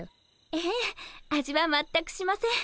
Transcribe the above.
ええ味は全くしません。